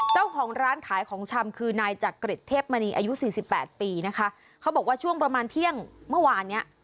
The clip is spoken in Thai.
เจ้าของร้านขายของชำคือนายจักริจเทพมณีอายุสี่สิบแปดปีนะคะเขาบอกว่าช่วงประมาณเที่ยงเมื่อวานเนี้ย